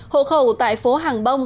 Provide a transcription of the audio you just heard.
hộ khẩu tại phố hàng bông